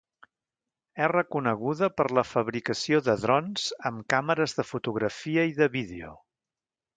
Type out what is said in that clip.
És reconeguda per la fabricació de drons amb càmeres de fotografia i de vídeo.